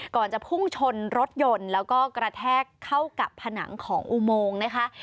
ก่อนจะพุ่งชนรถยนต์แล้วก็กระแทกเข้ากับผนังของอุโมงนะคะ